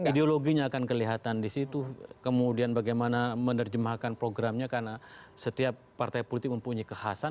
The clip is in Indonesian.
ideologinya akan kelihatan di situ kemudian bagaimana menerjemahkan programnya karena setiap partai politik mempunyai kekhasan